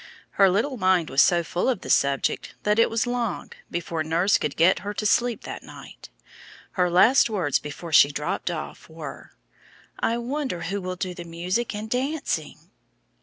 Her little mind was so full of the subject that it was long before nurse could get her to sleep that night. Her last words before she dropped off were, "I wonder who will do the music and dancing!"